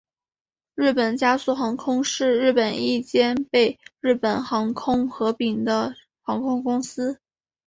日本佳速航空是日本一间被日本航空合并的航空公司。